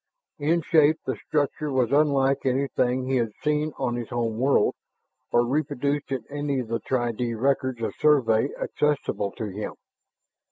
In shape, the structure was unlike anything he had seen on his home world or reproduced in any of the tri dee records of Survey accessible to him.